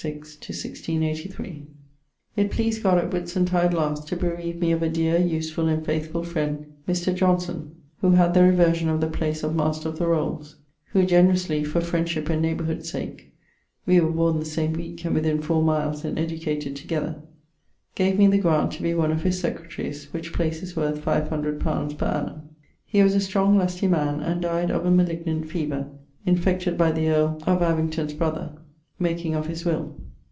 It pleased God at Whitsuntide last to bereave me of a deare, usefull, and faithfull friend Mr. Johnson who had the reversion of the place of Master of the Rolles; who generously, for friendship and neighbourhood sake (we were borne the same weeke and within 4 miles and educated together), gave me the graunt to be one of his secretaries which place is worth 500 li. per annum. He was a strong lustie man and died of a malignant fever, infected by the earl of Abington's brother, making of his will.